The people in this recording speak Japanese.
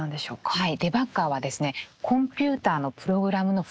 はい。